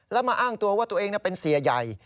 แล้วมาอ้างตัวว่าตัวเองเป็นเสียใหญ่